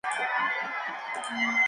Se encuentra cerca de Holbæk, Dinamarca.